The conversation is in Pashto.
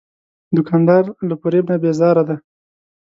دوکاندار له فریب نه بیزاره دی.